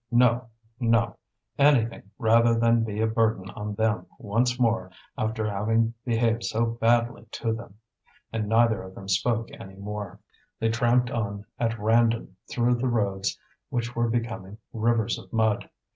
No, no! anything rather than be a burden on them once more after having behaved so badly to them! And neither of them spoke any more; they tramped on at random through the roads which were becoming rivers of mud.